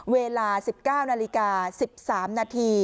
เวลา๑๙น๑๓น